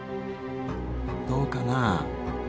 どうかな？